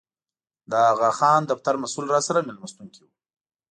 د اغاخان دفتر مسوول راسره مېلمستون کې و.